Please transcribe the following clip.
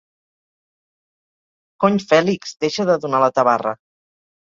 Cony Fèlix, deixa de donar la tabarra.